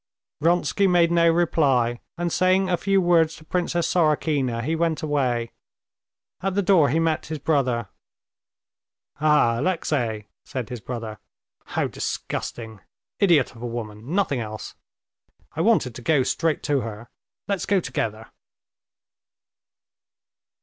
Vronsky made no reply, and saying a few words to Princess Sorokina, he went away. At the door he met his brother. "Ah, Alexey!" said his brother. "How disgusting! Idiot of a woman, nothing else.... I wanted to go straight to her. Let's go together."